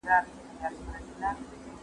دوی وړوکې دي او موندل یې ستونزمن دي.